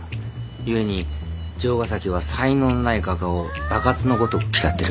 故に城ヶ崎は才能のない画家を蛇蝎のごとく嫌ってる。